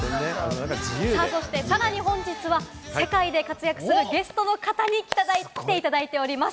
そして、さらに本日は世界で活躍するゲストの方に来ていただいております。